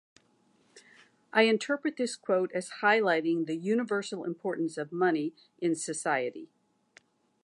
I interpret this quote as highlighting the universal importance of money in society.